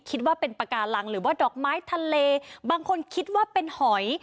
คิดว่าเป็นปากการังหรือว่าดอกไม้ทะเลบางคนคิดว่าเป็นหอย